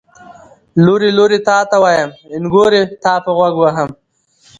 ـ لورې لورې تاته ويم، نګورې تاپه غوږ وهم.